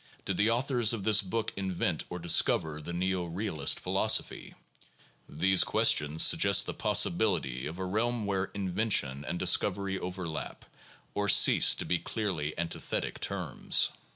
Did the authors of this book invent or discover the neo realist philosophy? These questions suggest the possibility of a realm where invention and discovery overlap, or cease to be clearly antithetic terms.